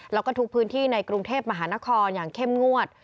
แล้วก็ทุกพื้นที่ในกรุงเทพมหานครอย่างเข้มงวด